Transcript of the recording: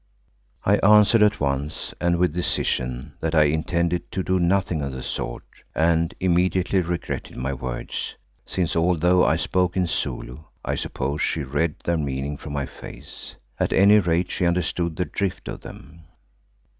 I answered at once and with decision that I intended to do nothing of the sort and immediately regretted my words, since, although I spoke in Zulu, I suppose she read their meaning from my face. At any rate she understood the drift of them.